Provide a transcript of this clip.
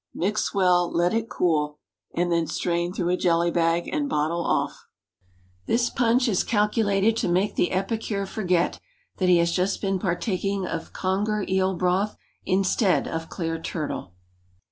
Mix well, let it cool, and then strain through a jelly bag, and bottle off. This punch is calculated to make the epicure forget that he has just been partaking of conger eel broth instead of clear turtle.